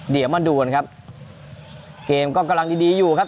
เดี๋ยวมาดูกันครับเกมก็กำลังดีดีอยู่ครับ